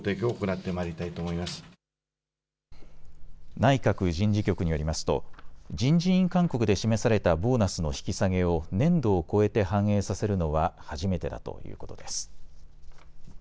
内閣人事局によりますと人事院勧告で示されたボーナスの引き下げを年度をこえて反映させるのは初めてだということです。